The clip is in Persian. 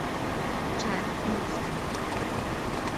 چرخ گوشت